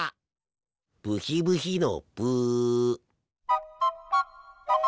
ブヒブヒのブ。